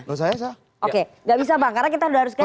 tidak bisa bang karena kita sudah harus ganti